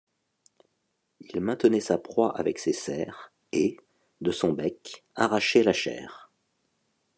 Il maintenait sa proie avec ses serres et, de son bec, arrachait la chair.